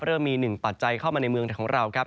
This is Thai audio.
เริ่มมีหนึ่งปัจจัยเข้ามาในเมืองของเราครับ